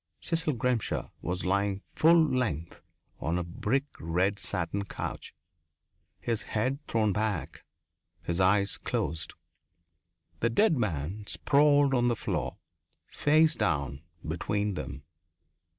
Cecil Grimshaw was lying full length on a brick red satin couch, his head thrown back, his eyes closed. The dead man sprawled on the floor, face down, between them.